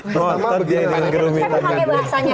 saya mau panggil bahasanya